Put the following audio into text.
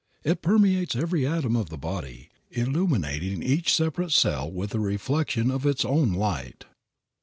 It permeates every atom of the body, illuminating each separate cell with a reflection of its own light.